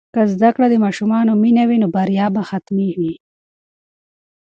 که زده کړه د ماشومانو مینه وي، نو بریا به حتمي وي.